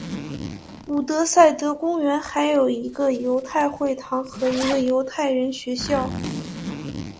伍德塞德公园还有一个犹太会堂和一个犹太人学校。